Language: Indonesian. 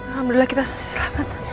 alhamdulillah kita selamat